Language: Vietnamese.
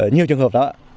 nhiều trường hợp đó